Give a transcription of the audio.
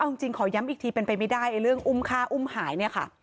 เอาจริงขอย้ำอีกทีเป็นไปไม่ได้เรื่องอุ้มฆ่าอุ้มหายเนี่ยค่ะ